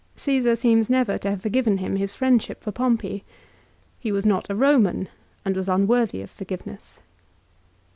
Caesar seems never to have forgiven him his friendship for Pompey. He was not a Eoman and was unworthy of forgiveness.